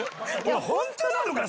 本当なのか？